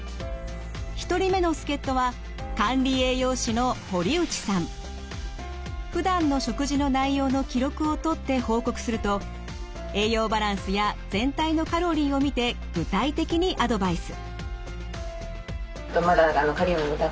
一人目の助っとはふだんの食事の内容の記録を取って報告すると栄養バランスや全体のカロリーを見て具体的にアドバイス。